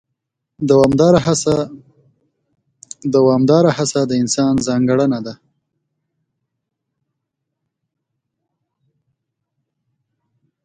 دوامداره هڅه د انسان ځانګړنه ده.